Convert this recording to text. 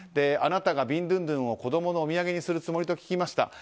あなたがビンドゥンドゥンを子供のお土産にするつもりと聞きました。